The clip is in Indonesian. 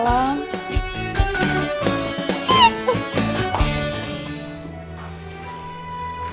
rasanya berat sekali pin